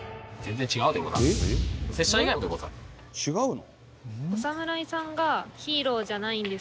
違うの？